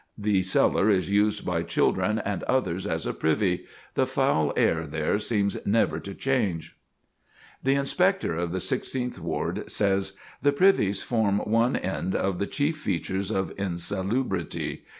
The cellar is used by children and others as a privy; the foul air there seems never to change." The Inspector of the Sixteenth Ward says: "The privies form one end of the chief features of insalubrity.